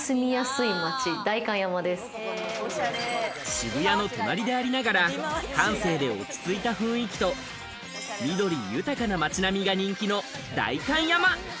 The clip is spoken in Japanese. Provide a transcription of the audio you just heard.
渋谷の隣でありながら、閑静で落ち着いた雰囲気と緑豊かな街並みが人気の代官山。